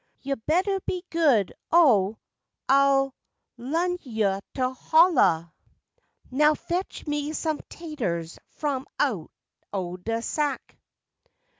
Yo' bettuh be good o' ah'll lu'n yo' to holluh! Now fetch me some taters f'um out o' dat sack.